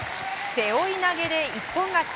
背負い投げで一本勝ち。